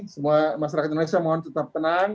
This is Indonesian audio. semua masyarakat indonesia mohon tetap tenang